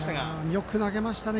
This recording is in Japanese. よく投げましたね